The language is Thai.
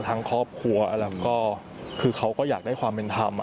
ทั้งครอบครัวแล้วก็คือเขาก็อยากได้ความเป็นธรรม